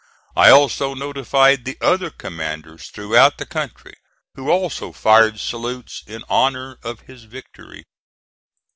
I also notified the other commanders throughout the country, who also fired salutes in honor of his victory.